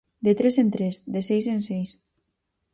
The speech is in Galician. De tres en tres, de seis en seis.